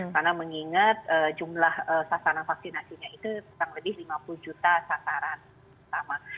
karena mengingat jumlah sasaran vaksinasi itu kurang lebih lima puluh juta sasaran